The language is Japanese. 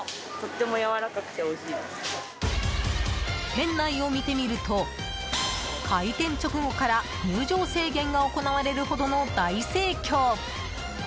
店内を見てみると開店直後から、入場制限が行われるほどの大盛況。